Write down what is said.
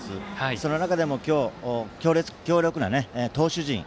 その中でも、今日、強力な投手陣。